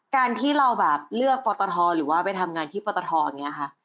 การที่เราแบบเลือกปตทหรือว่าไปทำงานที่ปตทอย่างนี้ค่ะ